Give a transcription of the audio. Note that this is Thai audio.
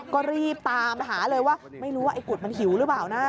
ก็รีบตามหาเลยว่าไม่รู้ว่าไอ้กุดมันหิวหรือเปล่านะ